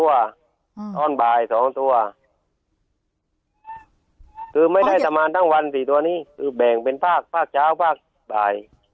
ตอนบ่ายสองตัวคือไม่ได้ประมาณทั้งวันสี่ตัวนี้คือแบ่งเป็นภาคภาคเช้าภาคบ่าย